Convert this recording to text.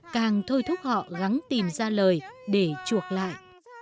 càng thôi thúc họ gắn tìm ra lời để chuộc lại